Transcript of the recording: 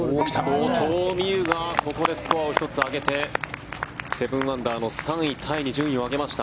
後藤未有がここでスコアを１つ上げて７アンダーの３位タイにスコアを上げました。